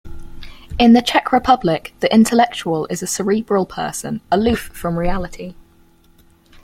In the Czech Republic, the intellectual is a cerebral person, aloof from reality.